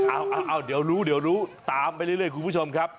อ้าวเดี๋ยวรู้ตามไปเรื่อยคุณผู้ชมครับ